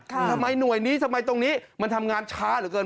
ทำไมหน่วยนี้ทำไมตรงนี้มันทำงานช้าเหลือเกิน